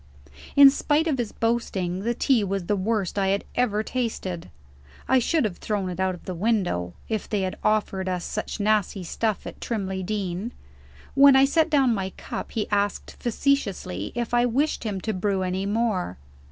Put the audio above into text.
In spite of his boasting, the tea was the worst I ever tasted. I should have thrown it out of the window, if they had offered us such nasty stuff at Trimley Deen. When I set down my cup, he asked facetiously if I wished him to brew any more.